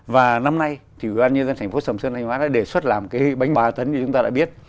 và năm nay thì người dân thành phố sầm sơn thanh hóa đã đề xuất làm cái bánh ba tấn như chúng ta đã biết